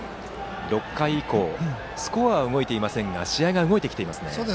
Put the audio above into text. ６回以降スコアは動いていませんが試合が動いてきていますね。